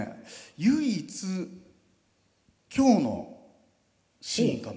唯一今日のシーンかな。